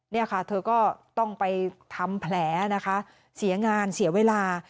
นี่ค่ะเธอก็ต้องไปทำแผลนะคะเสียงานเสียเวลา